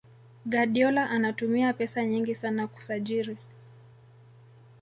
Guardiola anatumia pesa nyingi sana kusajiri